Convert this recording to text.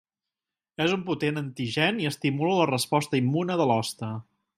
És un potent antigen i estimula la resposta immune de l'hoste.